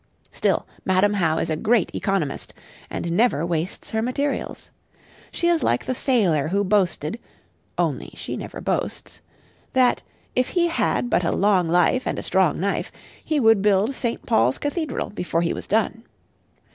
Still Madam How is a great economist, and never wastes her materials. She is like the sailor who boasted (only she never boasts) that, if he had but a long life and a strong knife, he would build St. Paul's Cathedral before he was done.